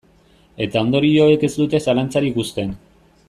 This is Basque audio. Eta ondorioek ez dute zalantzarik uzten.